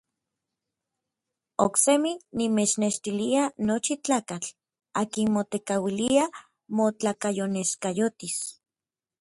Oksemi nimechnextilia nochi tlakatl akin motekauilia motlakayoneskayotis.